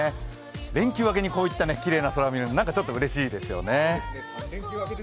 連休明けにこういったきれいな空を見るのはうれしいですね。